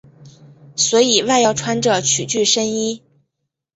所以外要穿着曲裾深衣。